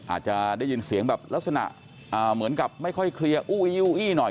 อาจจะได้ยินเสียงแบบลักษณะเหมือนกับไม่ค่อยเคลียร์อู้อิ้วอี้หน่อย